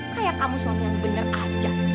kayak kamu suami yang benar aja